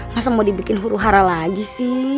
masa mau dibikin huru hara lagi sih